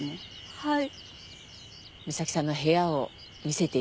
はい。